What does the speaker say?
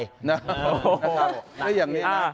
โอเนี้ยนะ